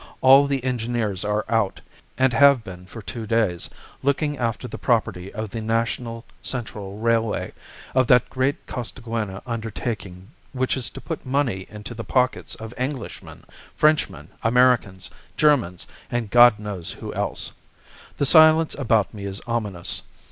All the engineers are out, and have been for two days, looking after the property of the National Central Railway, of that great Costaguana undertaking which is to put money into the pockets of Englishmen, Frenchmen, Americans, Germans, and God knows who else. The silence about me is ominous.